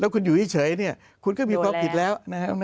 แล้วคุณอยู่เฉยคุณก็มีปลอบผิดแล้ว